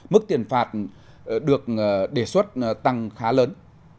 mức tiền phạt được đề xuất tăng khá lớn